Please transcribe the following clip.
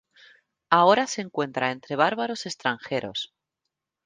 Ahora se encuentra entre bárbaros extranjeros"".